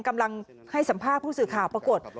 กำลังให้สัมภาษณ์ผู้สื่อข่าวปรากฏ